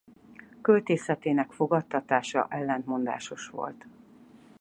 Költészetének fogadtatása ellentmondásos volt.